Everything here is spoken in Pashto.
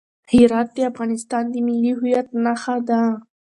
هرات د افغانستان د ملي هویت نښه ده.